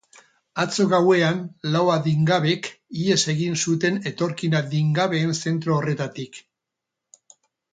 Atzo gauean lau adingabek ihes egin zuten etorkin adingabeen zentro horretatik.